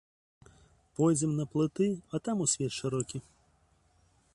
Пойдзем на плыты, а там у свет шырокі.